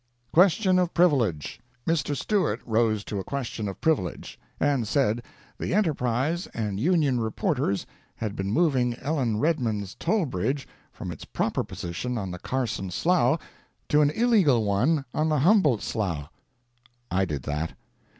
QUESTION OF PRIVILEGE Mr. Stewart rose to a question of privilege, and said the ENTERPRISE and Union reporters had been moving Ellen Redman's toll bridge from its proper position on the Carson Slough to an illegal one on the Humboldt Slough. [I did that.